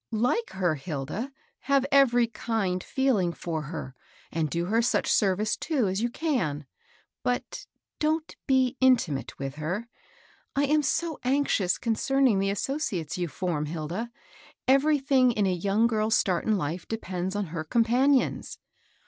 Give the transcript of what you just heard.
" Like her, Hilda, have every kind feeling for her, and do her such service, too, as you can ; but, 'lO MABEL ROSS. — don't be intimate with her. I am so anxious concerning the associates you form, Hilda. Etr^ thing in a young girl's start in life depends on her companions."